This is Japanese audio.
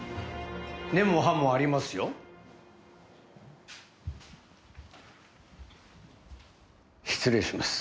根も葉もありますよ失礼します